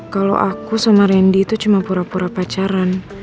kalau aku sama randy itu cuma pura pura pacaran